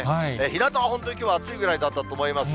ひなたは本当にきょうは暑いぐらいだったと思います。